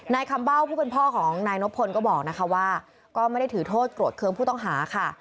คำเบ้าผู้เป็นพ่อของนายนบพลก็บอกนะคะว่าก็ไม่ได้ถือโทษโกรธเครื่องผู้ต้องหาค่ะ